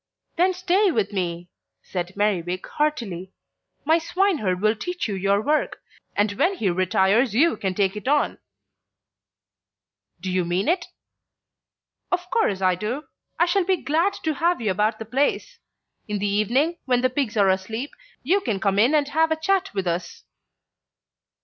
"Then stay with me," said Merriwig heartily. "My swineherd will teach you your work, and when he retires you can take it on." "Do you mean it?" "Of course I do. I shall be glad to have you about the place. In the evening, when the pigs are asleep, you can come in and have a chat with us."